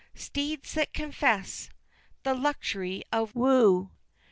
Steeds that confess "the luxury of wo!"